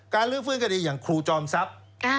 ลื้อฟื้นคดีอย่างครูจอมทรัพย์